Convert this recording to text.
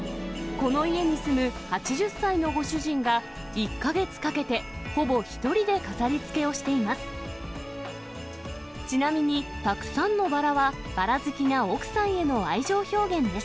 この家に住む８０歳のご主人が１か月かけて、ほぼ１人で飾りつけをしています。